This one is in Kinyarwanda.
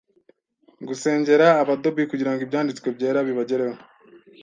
Gusengera aba Dhobi kugirango ibyanditswe byera bibagereho